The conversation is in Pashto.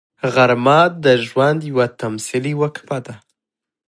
غرمه د ژوند یوه تمثیلي وقفه ده